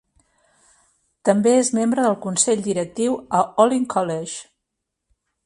També és membre del Consell Directiu a Olin College.